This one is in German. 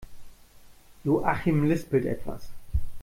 Joachim lispelt etwas.